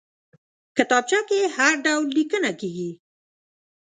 کتابچه کې هر ډول لیکنه کېږي